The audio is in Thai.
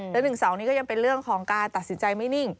และ๑๒นี้ก็ยังเป็นเรื่องของการตัดสินใจไม่นิ่ง